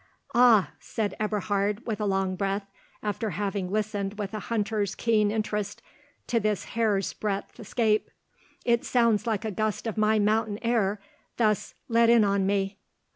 "Ah!" said Eberhard with a long breath, after having listened with a hunter's keen interest to this hair's breadth escape, "it sounds like a gust of my mountain air thus let in on me."